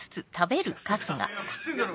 いや食ってんだろ。